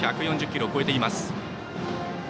１４０キロを超えています。